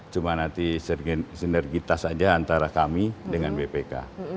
cuma nanti sinergitas saja antara kami dengan bpk